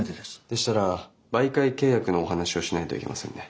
でしたら媒介契約のお話をしないといけませんね。